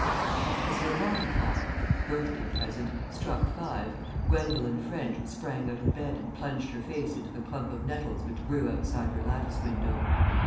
As her alarum clock (a birthday present) struck five, Gwendolen French sprang out of bed and plunged her face into the clump of nettles which grew outside her lattice window.